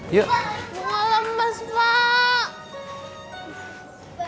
bunga lemes pak